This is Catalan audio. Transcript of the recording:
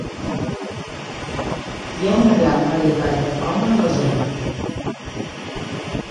Hi ha una gran varietat de fauna a la zona.